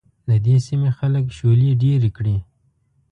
د دې سيمې خلک شولې ډېرې کري.